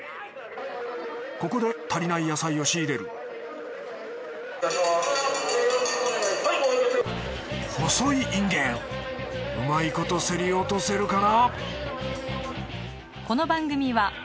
ここで足りない野菜を仕入れる細いインゲンうまいこと競り落とせるかな？